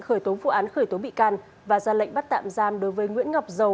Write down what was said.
khởi tố vụ án khởi tố bị can và ra lệnh bắt tạm giam đối với nguyễn ngọc dầu